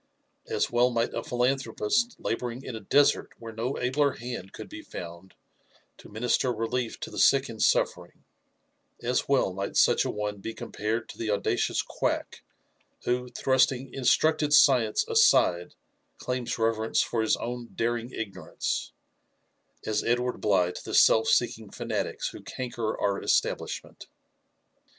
As well might a philanthropist labouring in a desert where no abler hand could be found to minister relief to the sick and sufTering ^as well might such a one be (compared to the audacious quack who, thrusting instructed science aside; claims reverence for his own daring ignorance, as Edward Bligh to the self seeking fanatics who canker our establishment.